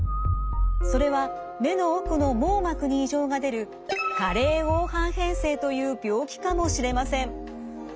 それは目の奥の網膜に異常が出る加齢黄斑変性という病気かもしれません。